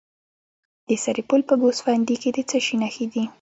د سرپل په ګوسفندي کې د څه شي نښې دي؟